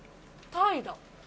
タイだ。